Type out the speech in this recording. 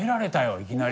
いきなり。